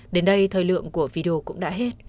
đến đây thời lượng của video cũng đã hết